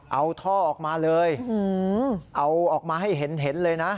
เอาท่อออกมาเลยเอาออกมาให้เห็นเลยนะ